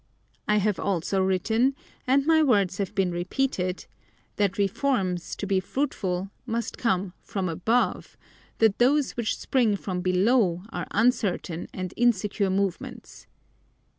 I have also written (and my words have been repeated) that reforms, to be fruitful, must come from above, that those which spring from below are uncertain and insecure movements.